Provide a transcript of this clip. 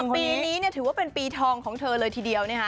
ปีนี้ถือว่าเป็นปีทองของเธอเลยทีเดียวนะคะ